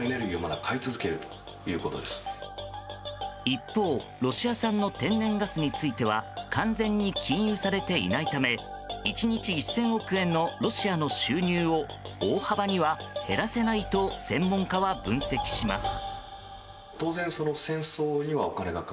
一方、ロシア産の天然ガスについては完全に禁輸されていないため１日１０００億円のロシアの収入を大幅には減らせないと専門家は分析します。